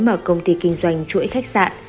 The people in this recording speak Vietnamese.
mở công ty kinh doanh chuỗi khách sạn